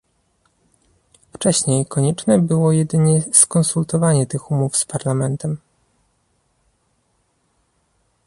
Wcześniej konieczne było jedynie skonsultowanie tych umów z Parlamentem